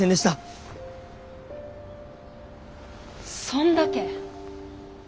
そんだけ？